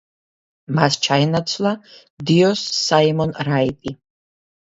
მას ჩაენაცვლა დიოს საიმონ რაიტი.